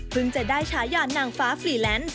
เพิ่งจะได้ฉายาหนังฟ้าฟรีแลนซ์